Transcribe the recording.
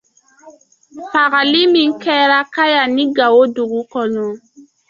Fagali min kɛra Kaya ni Gao dugu kɔnɔ.